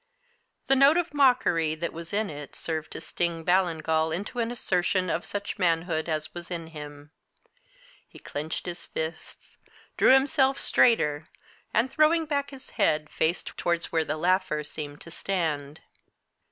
The note of mockery that was in it served to sting Ballingall into an assertion of such manhood as was in him. He clenched his fists, drew himself straighter, and, throwing back his head, faced towards where the laughter seemed to stand.